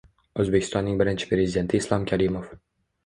O‘zbekistonning birinchi prezidenti Islom Karimov